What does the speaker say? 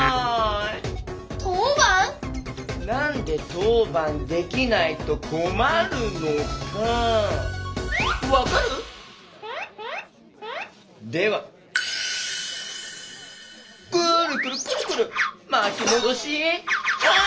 なんでとうばんできないとこまるのかわかる？ではくるくるくるくるまきもどしタイム！